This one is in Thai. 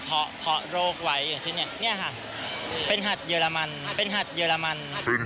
เพราะเพราะโรคไหวอย่างชิ้นเนี้ยเนี้ยค่ะเป็นฮาดเยอรมัน